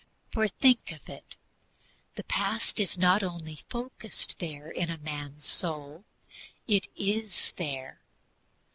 For, think of it, the past is not only focused there, in a man's soul, it is there.